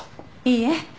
いいえ。